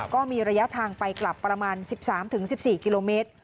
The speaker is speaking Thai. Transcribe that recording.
ก็มีระยะทางไปกลับประมาณ๑๓๑๔กิโลเมตร